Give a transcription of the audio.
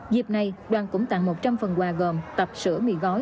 dịp này đoàn cũng tặng một trăm linh phần quà gồm tập sữa mì gói